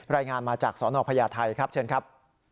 รายงานมาจากสนพญาไทยครับเชิญครับ